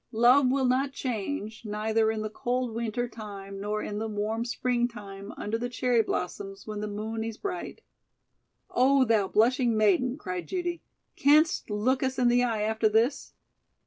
"Love will not change, neither in the cold weenter time nor in the warm spreengtime under the cherry blossoms when the moon ees bright." "Oh, thou blushing maiden," cried Judy, "canst look us in the eye after this?"